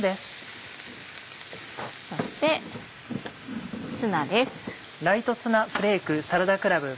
そしてツナです。